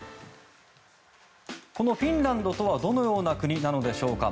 このフィンランドとはどのような国なのでしょうか。